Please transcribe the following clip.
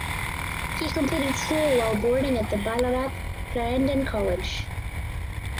He completed school while boarding at Ballarat Clarendon College.